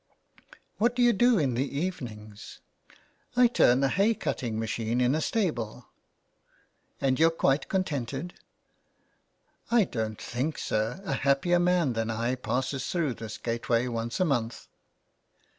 *' What do you do in the evenings ?"" I turn a hay cutting machine in a stable." " And you're quite contented ?"" I don't think, sir, a happier man than I passes through this gate way once a month."